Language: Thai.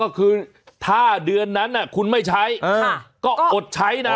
ก็คือถ้าเดือนนั้นคุณไม่ใช้ก็อดใช้นะ